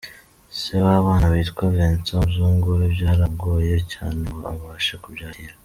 Se w’abana witwa Vince w’umuzungu we byaramugoye cyane ngo abashe kubyakira.